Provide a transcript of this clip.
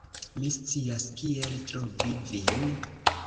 Mi scias kiel trovi vin.